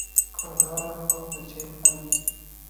کوتره خپل بچي پالي.